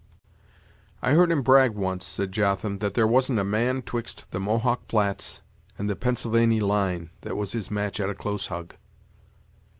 "I heard him brag once," said Jotham, "that there wasn't a man 'twixt the Mohawk Flats and the Pennsylvany line that was his match at a close hug."